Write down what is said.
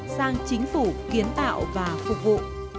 sang chính phủ kiến tạo và phục vụ